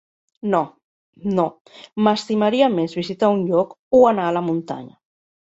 No, no, m'estimaria més visitar un lloc, o anar a la muntanya.